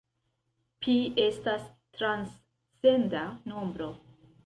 Pi estas transcenda nombro.